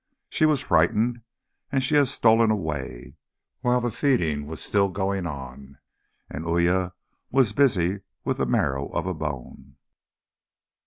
She was frightened and she had stolen away, while the feeding was still going on, and Uya was busy with the marrow of a bone.